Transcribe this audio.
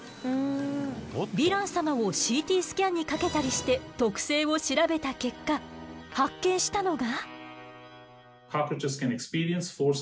ヴィラン様をＣＴスキャンにかけたりして特性を調べた結果発見したのが。